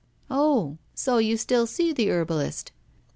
'Oh! so you still see the herbalist?